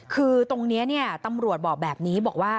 คือตรงนี้ตำรวจบอกแบบนี้บอกว่า